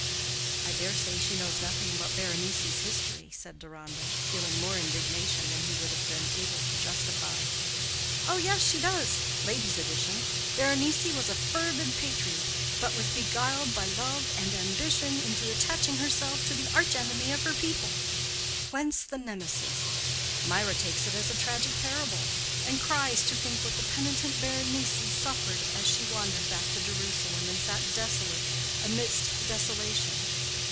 "I dare say she knows nothing about Berenice's history," said Deronda, feeling more indignation than he would have been able to justify. "Oh, yes, she does—ladies' edition. Berenice was a fervid patriot, but was beguiled by love and ambition into attaching herself to the arch enemy of her people. Whence the Nemesis. Mirah takes it as a tragic parable, and cries to think what the penitent Berenice suffered as she wandered back to Jerusalem and sat desolate amidst desolation.